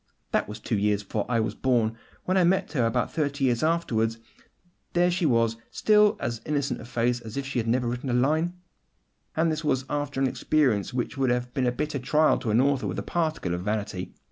That was two years before I was born. When I met her about thirty years afterwards, there she was, still 'with as innocent a face as if she had never written a line!' And this was after an experience which would have been a bitter trial to an author with a particle of vanity.